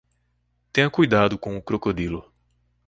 Tenha cuidado com o crocodilo.